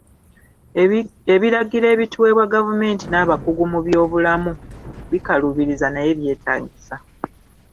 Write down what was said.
Ebiragiro ebituweebwa gavumenti n'abakugu mu by'obulammu bikaluubiriza naye byetaagisa.